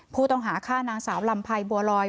ผู้ต้องหาฆ่านางสาวลำไพรบัวลอย